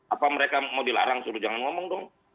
apa mereka mau dilarang suruh jangan ngomong dong